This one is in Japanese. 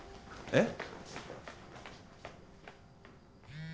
えっ？